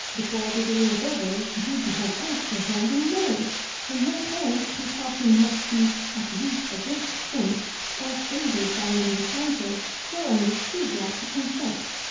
Before the day was over Gigi had asked her hand in marriage, and her parents, who thought he must be at least a great prince, or favored by an enchanter, were only too glad to consent.